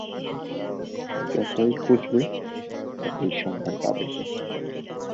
যতোই খুঁজবে, ততোই সন্ধান পাবে।